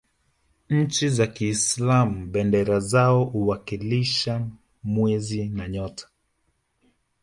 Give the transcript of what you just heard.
nchi za kiislam bendera zao huwakilisha mwezi na nyota